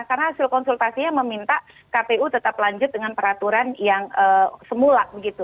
karena hasil konsultasinya meminta kpu tetap lanjut dengan peraturan yang semula